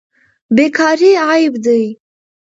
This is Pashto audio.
بیکاري عیب دی.